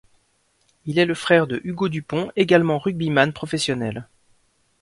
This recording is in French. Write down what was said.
Il est le frère de Hugo Dupont également rugbyman professionnel.